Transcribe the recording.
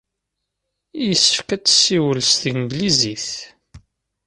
Yessefk ad tessiwel s tanglizit.